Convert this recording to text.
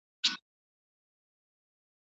د هري موخي لپاره دقیق پلان ولرئ.